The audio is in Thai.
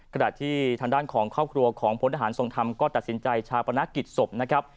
ขณะที่ทางด้านของครอบครัวของพลทหารทรงธรรมก็ตัดสินใจชาปนกิจศพนะครับ